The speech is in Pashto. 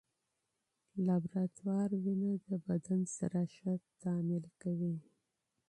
لابراتوار وینه د بدن سره ښه تعامل کوي.